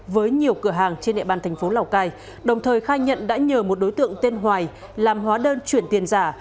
với nhiều cửa hàng trên địa bàn thành phố lào cai đồng thời khai nhận đã nhờ một đối tượng tên hoài làm hóa đơn chuyển tiền giả